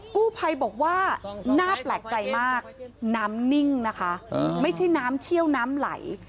กู้ภัยบอกว่าน่าแปลกใจมากน้ำนิ่งนะคะไม่ใช่น้ำเชี่ยวน้ำไหล